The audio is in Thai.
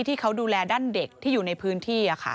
ที่เขาดูแลด้านเด็กที่อยู่ในพื้นที่